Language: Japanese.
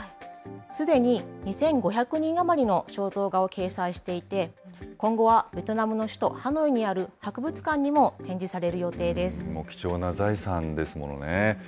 すでに２５００人余りの肖像画を掲載していて、今後はベトナムの首都ハノイにある博物館にも展示貴重な財産ですものね。